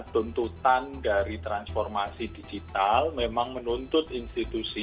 tuntutan dari transformasi digital memang menuntut institusi